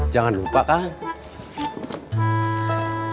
jangan lupa kak